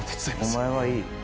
お前はいい